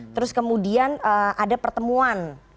terus kemudian ada pertemuan